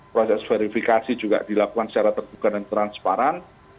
proses verifikasi juga dilakukan secara terbuka dan transparan